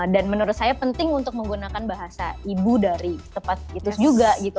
dan menurut saya penting untuk menggunakan bahasa ibu dari tempat itu juga gitu